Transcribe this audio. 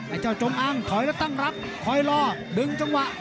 เจ้าจงอ้างถอยแล้วตั้งรับคอยรอดึงจังหวะ